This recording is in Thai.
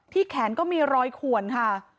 แขนก็มีรอยขวนค่ะ